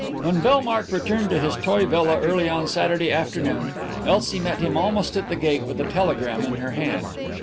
When Bellmark returned to his toy villa early on Saturday afternoon Elsie met him almost at the gate with a telegram in her hand.